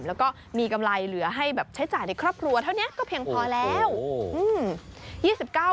แล้วก็มีกำไรเหลือให้แบบใช้จ่ายในครอบครัวเท่านี้ก็เพียงพอแล้ว